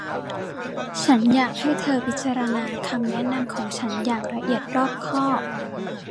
ฉันอยากให้เธอพิจารณาคำแนะนำของฉันอย่างละเอียดรอบคอบ